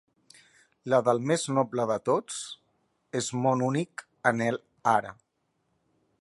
La del més noble de tots, és mon únic anhel ara.